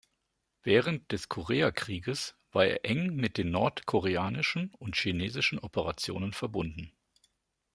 Während des Koreakrieges war er eng mit den nordkoreanischen und chinesischen Operationen verbunden.